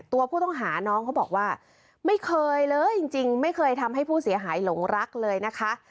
ตัวผู้ต้องหาน้องเขาบอกว่าไม่เคยเลยจริงไม่เคยทำให้ผู้เสียหายหลงรักเลยนะคะ